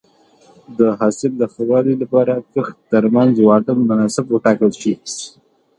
د حاصل د ښه والي لپاره د کښت ترمنځ واټن مناسب وټاکل شي.